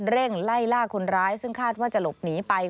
เร่งไล่ล่าคนร้ายซึ่งคาดว่าจะหลบหนีไป